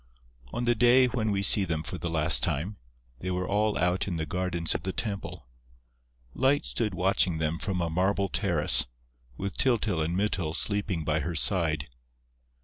On the day when we see them for the last time, they were all out in the gardens of the temple. Light stood watching them from a marble terrace, with Tyltyl and Mytyl sleeping by her side.